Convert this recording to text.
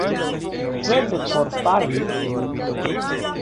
Sed por fari...